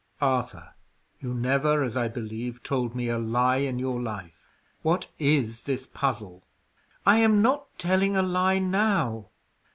"Arthur, you never, as I believe, told me a lie in your life. What is this puzzle?" "I am not telling a lie now."